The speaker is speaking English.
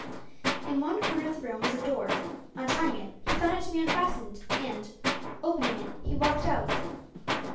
In one corner of the room was a door. On trying it, he found it to be unfastened and, opening it, he walked out.